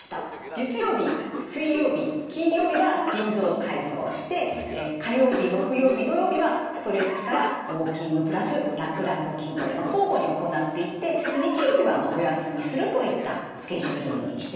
月曜日水曜日金曜日は腎臓体操をして火曜日木曜日土曜日はストレッチからウォーキング＋らくらく筋トレ交互に行っていって日曜日はお休みするといったスケジューリングにしてみました。